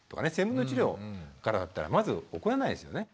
１，０００分の１の量からだったらまず起こらないですよね。